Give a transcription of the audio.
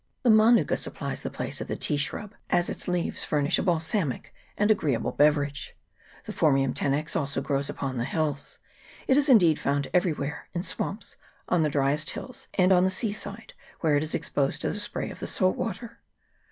The manuka supplies the place of the tea shrub, as its leaves furnish a balsamic and agreeable beverage. The phormium tenax also grows upon the hills : it is indeed found everywhere, in swamps, on the driest hills, and on the sea side, where it is exposed to the spray of the salt water.